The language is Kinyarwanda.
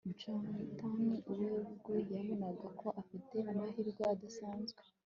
jonathan iwegbu yabonaga ko afite amahirwe adasanzwe